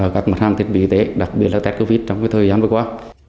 các mặt hàng thiết bị y tế đặc biệt là test covid trong thời gian vừa qua